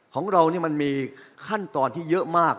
ของเรานี่มันมีขั้นตอนที่เยอะมาก